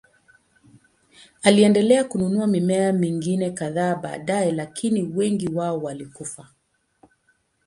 Aliendelea kununua mimea mingine kadhaa baadaye, lakini wengi wao walikufa.